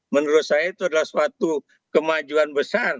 menurut saya itu adalah suatu kemajuan besar